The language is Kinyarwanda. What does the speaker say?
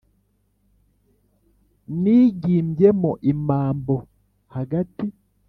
Nyigimbyemo imambo hagati